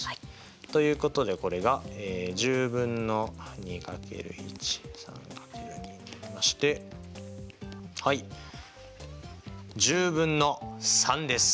ということでこれが１０分の２×１３×２になりましてはい１０分の３です。